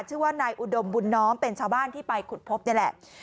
ชื่อว่านายอุดมบุญน้อมเป็นชาวบ้านที่ไปขุดพบนี่แหละ